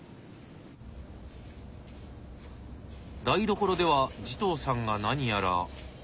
台所では慈瞳さんが何やら。